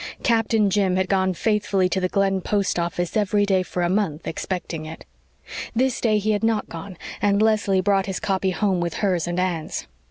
Captain Jim had gone faithfully to the Glen post office every day for a month, expecting it. This day he had not gone, and Leslie brought his copy home with hers and Anne's.